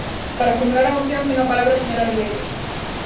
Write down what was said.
Para formular a moción ten a palabra a señora Ribeiros.